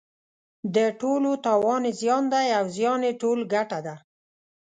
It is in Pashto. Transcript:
د ټولو تاوان یې زیان دی او زیان یې ټول ګټه ده.